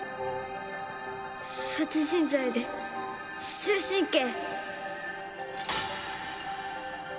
殺人罪で終身刑。